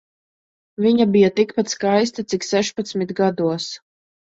Viņa bija tikpat skaista cik sešpadsmit gados.